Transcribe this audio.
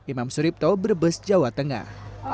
imam suripto brebes jawa tengah